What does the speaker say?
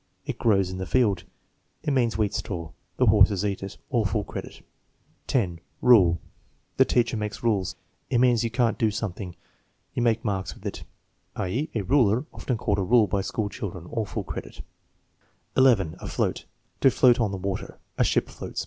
"It grows in the field," "It means wheat straw." "The horses eat it." (All full credit.) 10. Rule. "The teacher makes rules." "It means you can't do something." "You make marks with it," i.e., a ruler, often called a rule by school children. (All full credit.) 11. Afloat. "To float on the water." "A ship floats."